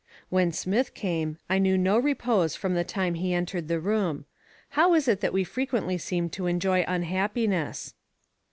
When Smith came, I knew no repose from the time he entered the room. How is it that we frequently seem to enjoy unhappiness?